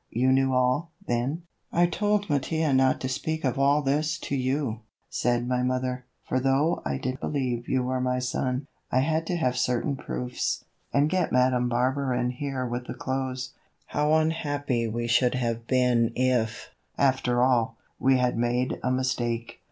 "You knew all, then?" "I told Mattia not to speak of all this to you," said my mother, "for though I did believe that you were my son, I had to have certain proofs, and get Madame Barberin here with the clothes. How unhappy we should have been if, after all, we had made a mistake.